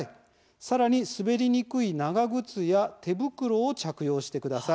さらに滑りにくい長靴や手袋を着用してください。